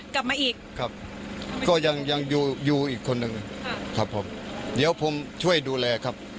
กลับมาอีกครับก็ยังยังอยู่อยู่อีกคนหนึ่งครับผมเดี๋ยวผมช่วยดูแลครับ